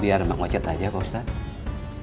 biar mak wajat aja pak ustadz